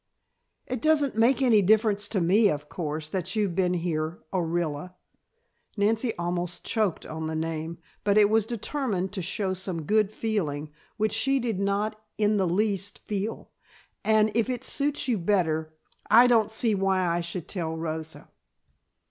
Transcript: "It doesn't make any difference to me, of course, that you've been here Orilla," Nancy almost choked on the name, but was determined to show some good feeling which she did not in the least feel "and, if it suits you better, I don't see why I should tell Rosa."